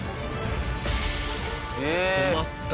困ったな。